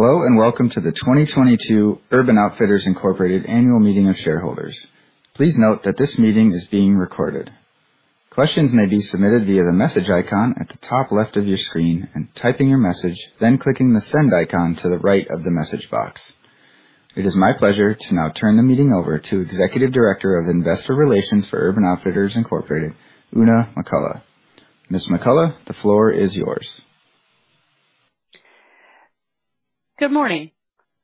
Hello and welcome to the 2022 Urban Outfitters, Inc. Annual Meeting of Shareholders. Please note that this meeting is being recorded. Questions may be submitted via the message icon at the top left of your screen and typing your message, then clicking the send icon to the right of the message box. It is my pleasure to now turn the meeting over to Executive Director of Investor Relations for Urban Outfitters, Inc., Oona McCullough. Ms. McCullough, the floor is yours. Good morning.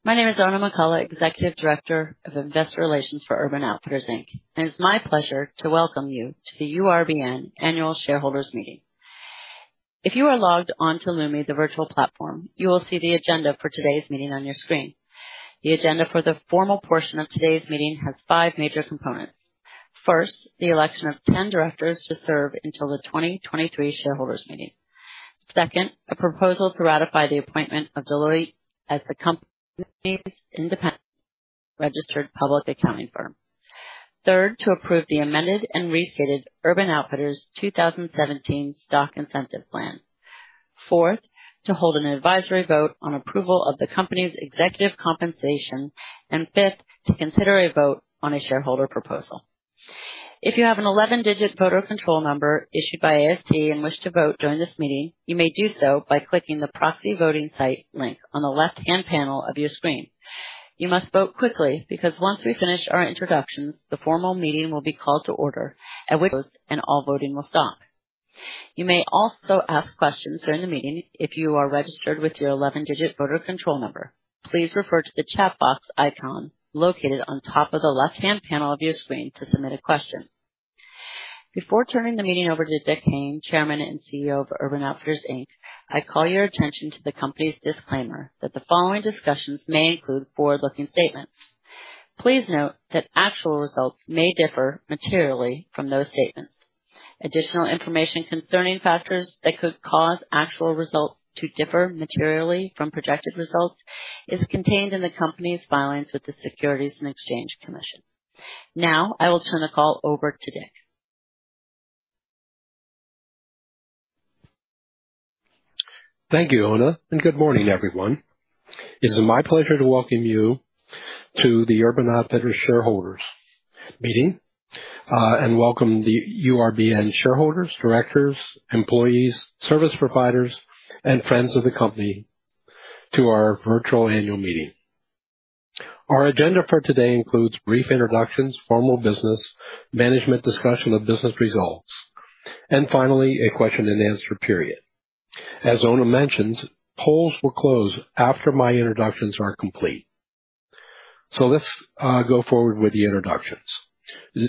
My name is Oona McCullough, Executive Director of Investor Relations for Urban Outfitters, Inc. It's my pleasure to welcome you to the URBN Annual Shareholders Meeting. If you are logged onto Lumi, the virtual platform, you will see the agenda for today's meeting on your screen. The agenda for the formal portion of today's meeting has five major components. First, the election of 10 directors to serve until the 2023 shareholders meeting. Second, a proposal to ratify the appointment of Deloitte as the company's independent registered public accounting firm. Third, to approve the amended and restated Urban Outfitters 2017 Stock Incentive Plan. Fourth, to hold an advisory vote on approval of the company's executive compensation. Fifth, to consider a vote on a shareholder proposal. If you have a 11-digit voter control number issued by AST and wish to vote during this meeting, you may do so by clicking the proxy voting site link on the left-hand panel of your screen. You must vote quickly because once we finish our introductions, the formal meeting will be called to order and all voting will stop. You may also ask questions during the meeting if you are registered with your 11-digit voter control number. Please refer to the chat box icon located on top of the left-hand panel of your screen to submit a question. Before turning the meeting over to Richard A. Hayne, Chairman and CEO of Urban Outfitters, Inc., I call your attention to the company's disclaimer that the following discussions may include forward-looking statements. Please note that actual results may differ materially from those statements. Additional information concerning factors that could cause actual results to differ materially from projected results is contained in the company's filings with the Securities and Exchange Commission. Now I will turn the call over to Rick. Thank you, Oona, and good morning, everyone. It is my pleasure to welcome you to the Urban Outfitters shareholders meeting, and welcome the URBN shareholders, directors, employees, service providers, and friends of the company to our virtual annual meeting. Our agenda for today includes brief introductions, formal business, management discussion of business results, and finally, a question and answer period. As Oona mentioned, polls will close after my introductions are complete. Let's go forward with the introductions.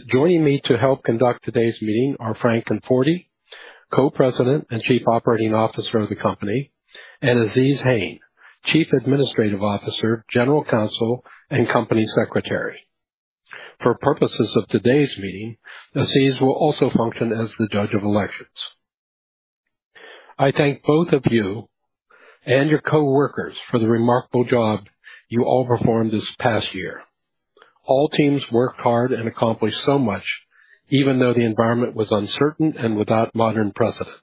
Joining me to help conduct today's meeting are Frank Conforti, Co-President and Chief Operating Officer of the company, and Azeez Hayne, Chief Administrative Officer, General Counsel and Company Secretary. For purposes of today's meeting, Azeez will also function as the Judge of Elections. I thank both of you and your coworkers for the remarkable job you all performed this past year. All teams worked hard and accomplished so much, even though the environment was uncertain and without modern precedent.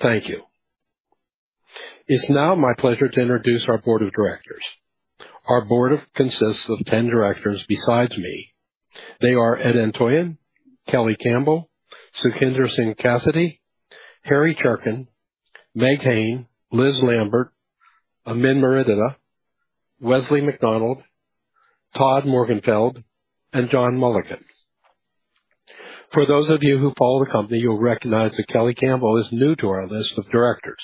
Thank you. It's now my pleasure to introduce our board of directors. Our board consists of 10 directors besides me. They are Ed Antoian, Kelly Campbell, Sukhinder Singh Cassidy, Harry Cherken, Meg Hayne, Liz Lambert, Amin Maredia, Wesley McDonald, Todd Morgenfeld, and John Mulliken. For those of you who follow the company, you'll recognize that Kelly Campbell is new to our list of directors.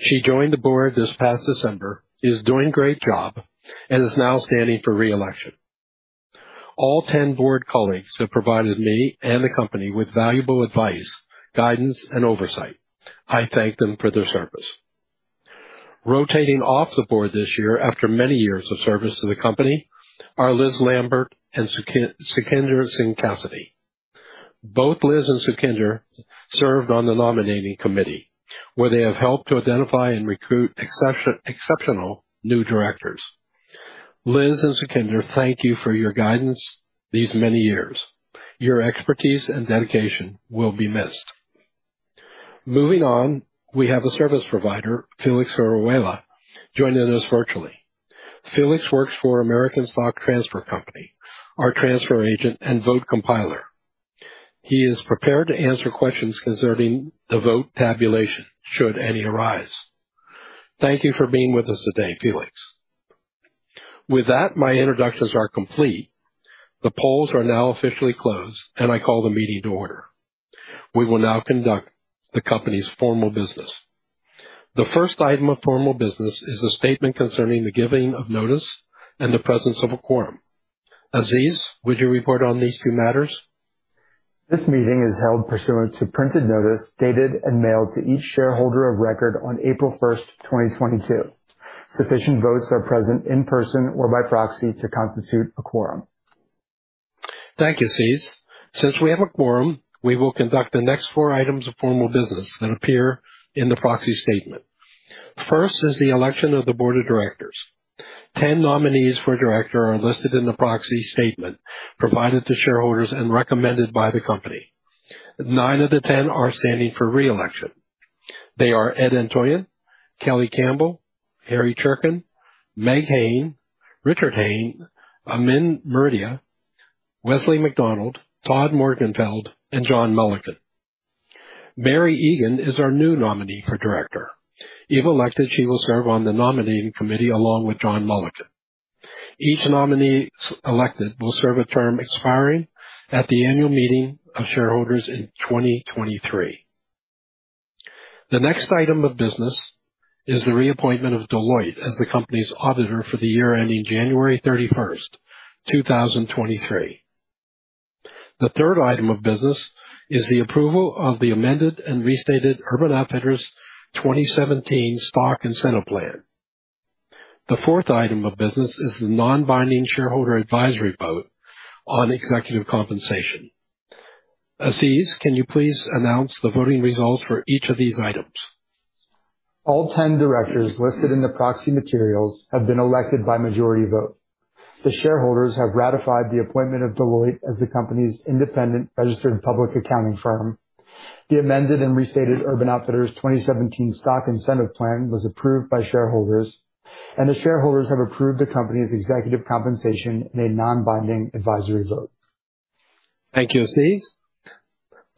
She joined the board this past December, is doing a great job, and is now standing for re-election. All 10 board colleagues have provided me and the company with valuable advice, guidance and oversight. I thank them for their service. Rotating off the board this year after many years of service to the company are Liz Lambert and Sukhinder Singh Cassidy. Both Liz and Sukhinder served on the nominating committee, where they have helped to identify and recruit exceptional new directors. Liz and Sukhinder, thank you for your guidance these many years. Your expertise and dedication will be missed. Moving on. We have a service provider, Felix Carhuila, joining us virtually. Felix works for American Stock Transfer & Trust Company, our transfer agent and vote compiler. He is prepared to answer questions concerning the vote tabulation, should any arise. Thank you for being with us today, Felix. With that, my introductions are complete. The polls are now officially closed, and I call the meeting to order. We will now conduct the company's formal business. The first item of formal business is a statement concerning the giving of notice and the presence of a quorum. Azeez, would you report on these two matters? This meeting is held pursuant to printed notice, dated and mailed to each shareholder of record on April 1, 2022. Sufficient votes are present in person or by proxy to constitute a quorum. Thank you, Azeez. Since we have a quorum, we will conduct the next four items of formal business that appear in the proxy statement. First is the election of the board of directors. 10 nominees for director are listed in the proxy statement provided to shareholders and recommended by the company. Nine of the 10 are standing for re-election. They are Ed Antoian, Kelly Campbell, Harry Cherken, Meg Hayne, Richard Hayne, Amin Maredia, Wesley McDonald, Todd Morgenfeld, and John Mulliken. Mary Egan is our new nominee for director. If elected, she will serve on the nominating committee along with John Mulliken. Each nominee selected will serve a term expiring at the annual meeting of shareholders in 2023. The next item of business is the reappointment of Deloitte as the company's auditor for the year ending January 31, 2023. The third item of business is the approval of the amended and restated Urban Outfitters 2017 Stock Incentive Plan. The fourth item of business is the non-binding shareholder advisory vote on executive compensation. Azeez, can you please announce the voting results for each of these items? All ten directors listed in the proxy materials have been elected by majority vote. The shareholders have ratified the appointment of Deloitte as the company's independent registered public accounting firm. The amended and restated Urban Outfitters 2017 Stock Incentive Plan was approved by shareholders, and the shareholders have approved the company's executive compensation in a non-binding advisory vote. Thank you, Azeez.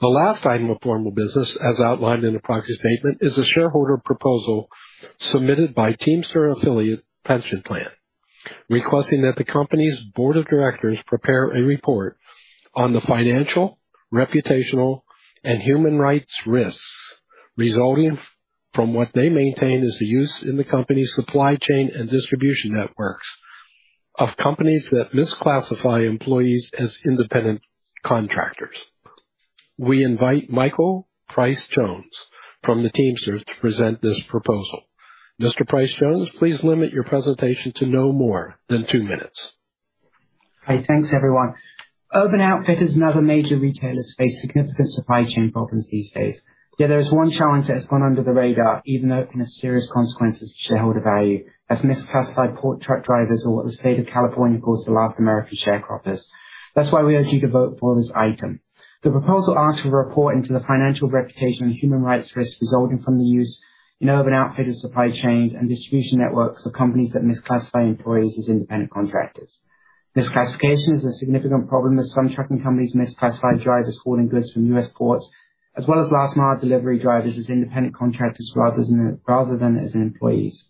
The last item of formal business, as outlined in the proxy statement, is a shareholder proposal submitted by Teamster Affiliates Pension Plan, requesting that the company's board of directors prepare a report on the financial, reputational, and human rights risks resulting from what they maintain is the use in the company's supply chain and distribution networks of companies that misclassify employees as independent contractors. We invite Michael Pryce-Jones from the Teamsters to present this proposal. Mr. Pryce-Jones, please limit your presentation to no more than two minutes. Hi. Thanks, everyone. Urban Outfitters and other major retailers face significant supply chain problems these days. Yet there is one challenge that has gone under the radar, even though it can have serious consequences to shareholder value as misclassified port truck drivers, or what the state of California calls the last American sharecroppers. That's why we urge you to vote for this item. The proposal asks for a report into the financial reputation and human rights risks resulting from the use in Urban Outfitters supply chains and distribution networks of companies that misclassify employees as independent contractors. Misclassification is a significant problem, as some trucking companies misclassify drivers hauling goods from U.S. ports, as well as last mile delivery drivers as independent contractors rather than as employees.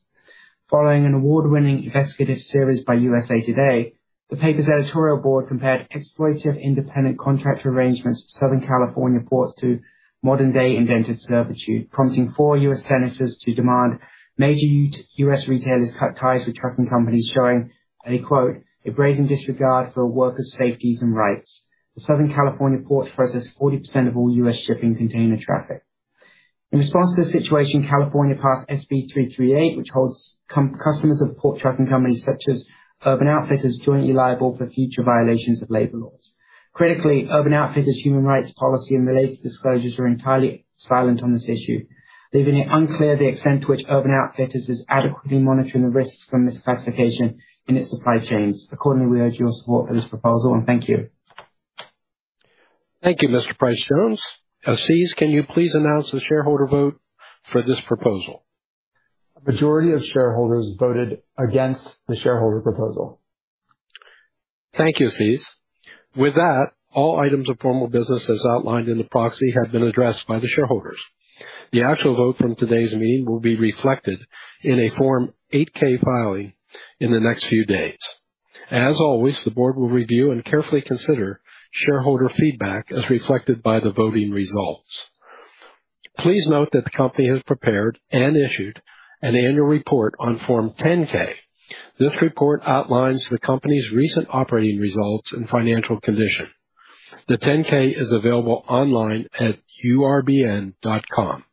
Following an award-winning investigative series by USA Today, the paper's editorial board compared exploitative independent contractor arrangements to Southern California ports to modern day indentured servitude, prompting four U.S. senators to demand major U.S. retailers cut ties with trucking companies showing a quote, "A brazen disregard for workers' safety and rights." The Southern California ports process 40% of all U.S. shipping container traffic. In response to this situation, California passed SB 338, which holds customers of port trucking companies such as Urban Outfitters jointly liable for future violations of labor laws. Critically, Urban Outfitters' human rights policy and related disclosures are entirely silent on this issue, leaving it unclear the extent to which Urban Outfitters is adequately monitoring the risks from misclassification in its supply chains. Accordingly, we urge your support for this proposal and thank you. Thank you, Mr. Pryce-Jones. Azeez, can you please announce the shareholder vote for this proposal? A majority of shareholders voted against the shareholder proposal. Thank you, Azeez. With that, all items of formal business as outlined in the proxy have been addressed by the shareholders. The actual vote from today's meeting will be reflected in a Form 8-K filing in the next few days. As always, the board will review and carefully consider shareholder feedback as reflected by the voting results. Please note that the company has prepared and issued an annual report on Form 10-K. This report outlines the company's recent operating results and financial condition. The 10-K is available online at urbn.com.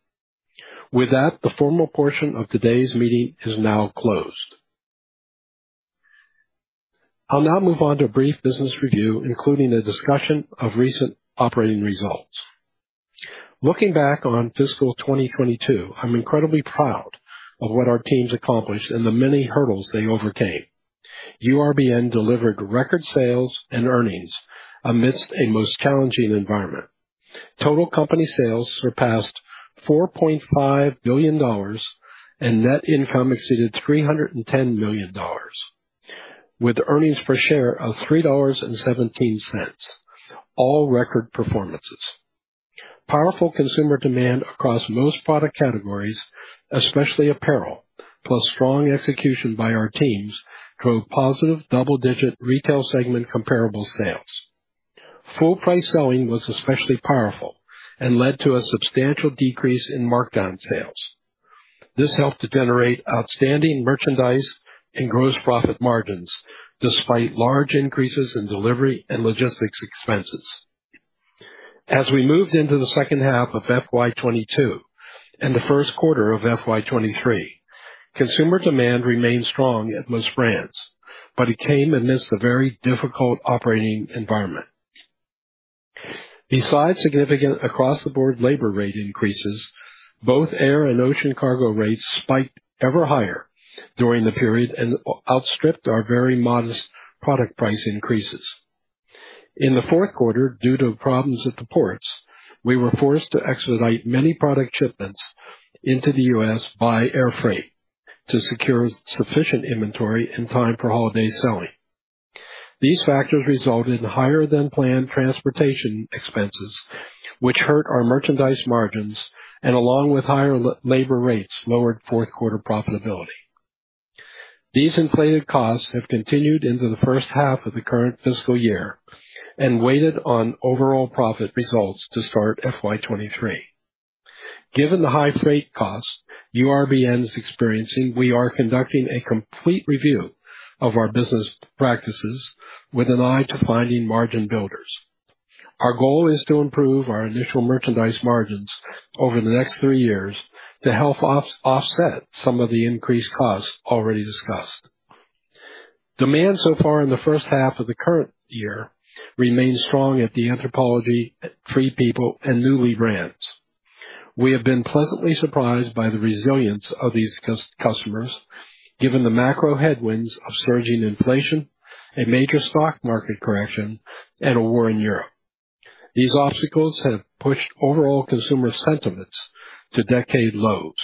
With that, the formal portion of today's meeting is now closed. I'll now move on to a brief business review, including a discussion of recent operating results. Looking back on fiscal 2022, I'm incredibly proud of what our teams accomplished and the many hurdles they overcame. URBN delivered record sales and earnings amidst a most challenging environment. Total company sales surpassed $4.5 billion, and net income exceeded $310 million, with earnings per share of $3.17. All record performances. Powerful consumer demand across most product categories, especially apparel, plus strong execution by our teams, drove positive double-digit retail segment comparable sales. Full price selling was especially powerful and led to a substantial decrease in markdown sales. This helped to generate outstanding merchandise and gross profit margins, despite large increases in delivery and logistics expenses. As we moved into the second half of FY 2022 and the first quarter of FY 2023, consumer demand remained strong at most brands, but it came amidst a very difficult operating environment. Besides significant across-the-board labor rate increases. Both air and ocean cargo rates spiked ever higher during the period and outstripped our very modest product price increases. In the fourth quarter, due to problems at the ports, we were forced to expedite many product shipments into the U.S. by air freight to secure sufficient inventory in time for holiday selling. These factors resulted in higher than planned transportation expenses, which hurt our merchandise margins and along with higher labor rates, lowered fourth quarter profitability. These inflated costs have continued into the first half of the current fiscal year and weighed on overall profit results to start FY 2023. Given the high freight costs URBN is experiencing, we are conducting a complete review of our business practices with an eye to finding margin builders. Our goal is to improve our initial merchandise margins over the next three years to help offset some of the increased costs already discussed. Demand so far in the first half of the current year remains strong at the Anthropologie, Free People, and Nuuly brands. We have been pleasantly surprised by the resilience of these customers given the macro headwinds of surging inflation, a major stock market correction, and a war in Europe. These obstacles have pushed overall consumer sentiments to decade lows.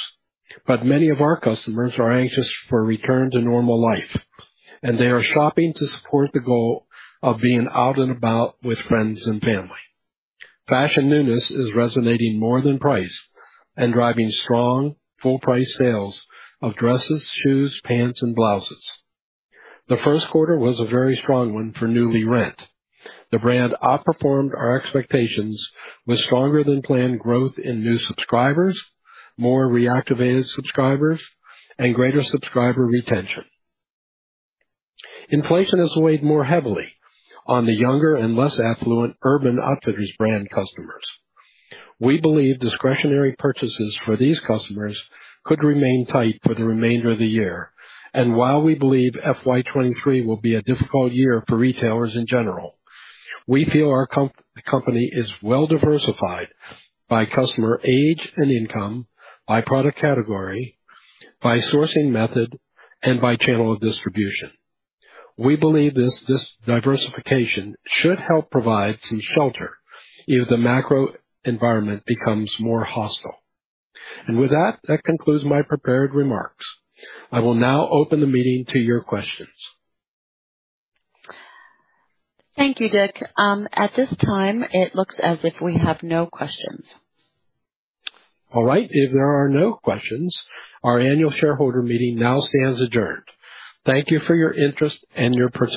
Many of our customers are anxious for a return to normal life, and they are shopping to support the goal of being out and about with friends and family. Fashion newness is resonating more than price and driving strong full price sales of dresses, shoes, pants, and blouses. The first quarter was a very strong one for Nuuly Rent. The brand outperformed our expectations with stronger than planned growth in new subscribers, more reactivated subscribers, and greater subscriber retention. Inflation has weighed more heavily on the younger and less affluent Urban Outfitters brand customers. We believe discretionary purchases for these customers could remain tight for the remainder of the year. While we believe FY 2023 will be a difficult year for retailers in general, we feel our company is well diversified by customer age and income, by product category, by sourcing method, and by channel of distribution. We believe this diversification should help provide some shelter if the macro environment becomes more hostile. With that concludes my prepared remarks. I will now open the meeting to your questions. Thank you, Rick. At this time, it looks as if we have no questions. All right. If there are no questions, our annual shareholder meeting now stands adjourned. Thank you for your interest and your participation.